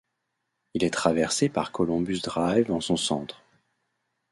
Il est traversé par Colombus Drive en son centre.